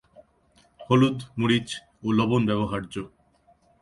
হলুদ, মরিচ, ও লবণ ব্যবহার্য।